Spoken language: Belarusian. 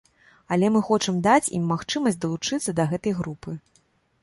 Але мы хочам даць ім магчымасць далучыцца да гэтай групы.